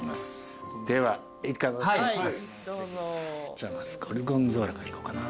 じゃあまずゴルゴンゾーラからいこうかな。